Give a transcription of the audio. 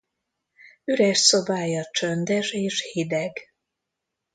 Üres szobája csöndes és hideg.